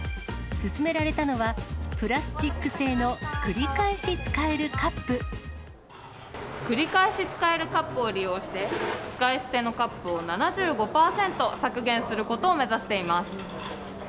勧められたのは、プラスチッ繰り返し使えるカップを利用して、使い捨てのカップを７５％削減することを目指しています。